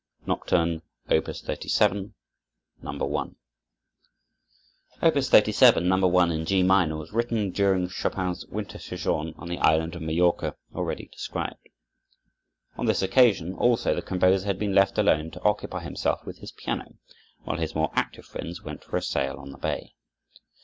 Chopin: Nocturne, Op. 37, No. 1 Opus 37, No. 1, in G minor, was written during Chopin's winter sojourn on the island of Majorca already described. On this occasion also the composer had been left alone to occupy himself with his piano, while his more active friends went for a sail on the bay.